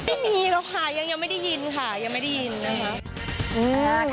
ไม่มีหรอกค่ะยังไม่ได้ยินค่ะยังไม่ได้ยินนะคะ